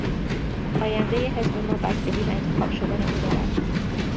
آیندهی حزب ما بستگی به انتخاب شدن او دارد.